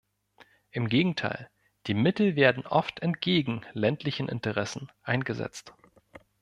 Im Gegenteil, die Mittel werden oft entgegen ländlichen Interessen eingesetzt.